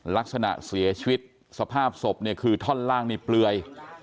ลักษณะเสียชีวิตสภาพศพเนี่ยคือท่อนล่างนี่เปลือย